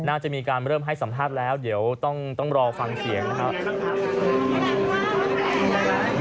น่าจะมีการเริ่มให้สัมภาษณ์แล้วเดี๋ยวต้องรอฟังเสียงนะครับ